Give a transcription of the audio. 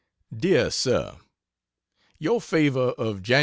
DEAR SIR, Your favor of Jan.